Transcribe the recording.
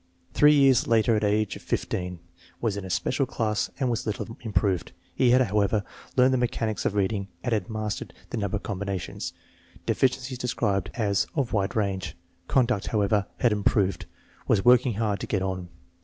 Three years later, at age of 15, was in a special class and was little if any improved. He had, however, learned the mechanics of reading and had mastered the number combinations. Deficiencies described as "of wide range/' Conduct, however, had improved. Was "working hard to get on."